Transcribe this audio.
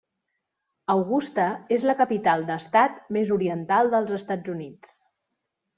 Augusta és la capital d'estat més oriental dels Estats Units.